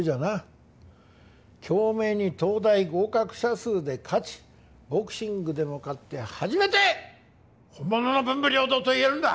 京明に東大合格者数で勝ちボクシングでも勝って初めて本物の文武両道と言えるんだ！